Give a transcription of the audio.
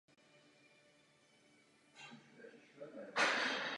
Kromě progresivního rocku je Colin Edwin fanoušek jazzu.